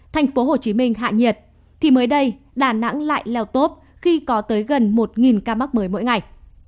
thành phố hồ chí minh hạ nhiệt thì mới đây đà nẵng lại leo tốp khi có tới gần một ca mắc mới mỗi ngày